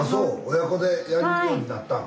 親子でやるようになったん？